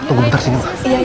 tunggu bentar sini